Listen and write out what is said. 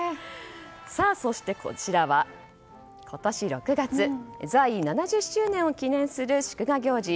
そしてこちらは今年６月在位７０周年を記念する祝賀行事